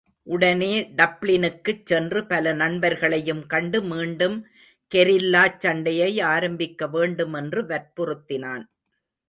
உடனே டப்ளினுக்குச் சென்று, பல நண்பர்களையும் கண்டு மீண்டும் கெரில்லாச் சண்டையை ஆரம்பிக்க வேண்டும் என்று வற்புறுத்தினான்.